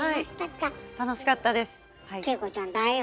はい楽しかったです。